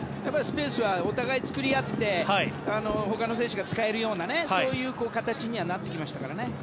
スペースはお互い作り合って他の選手が使えるような形にはなってきましたからね。